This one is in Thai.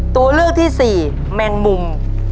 ตัวเลือกที่สี่แมงมุม